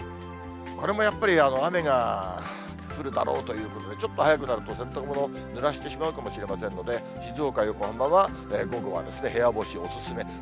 これもやっぱり雨が降るだろうということで、ちょっと早くなると、洗濯物をぬらしてしまうかもしれませんので、静岡、横浜は、午後は部屋干し、お勧め。